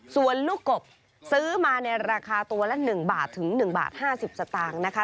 ส่วนลูกกบซื้อมาในราคาตัวละ๑บาทถึง๑บาท๕๐สตางค์นะคะ